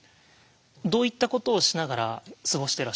どういったことをしながら過ごしてらっしゃったんですか？